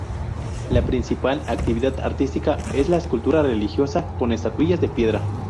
La principal actividad artística es la escultura religiosa, con estatuillas de piedra.